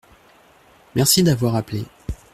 Merci d’avoir appelé.